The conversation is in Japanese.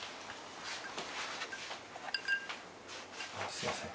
すいません。